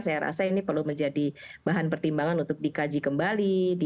saya rasa ini perlu menjadi bahan pertimbangan untuk dikaji kembali